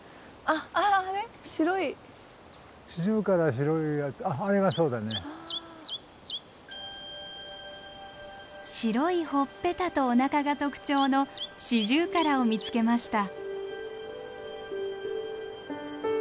白いほっぺたとおなかが特徴のシジュウカラを見つけました。